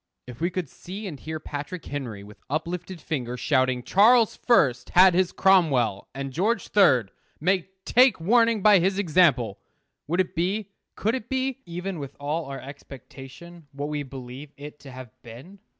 If we could see and hear Patrick Henry, with uplifted finger, shouting, "Charles First had his Cromwell, and George Third may take warning by his example!" would it be, could it be, even with all our expectation, what we believe it to have been?